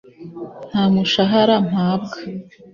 Nta mushahara mpabwa!